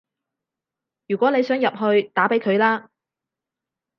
如果你想入去，打畀佢啦